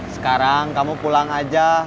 sekarang kamu pulang aja